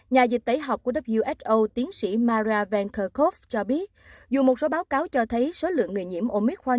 nhà dịch tẩy học của who tiến sĩ mara vankerkoff cho biết dù một số báo cáo cho thấy số lượng người nhiễm omicron